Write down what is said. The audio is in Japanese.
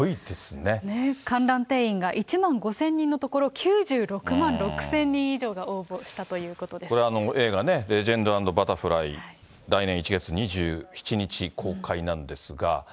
観覧定員が１万５０００人のところ、９６万６０００人以上が応募したということこれ、映画ね、レジェンド＆バタフライ、来年１月２７日公開なんですが。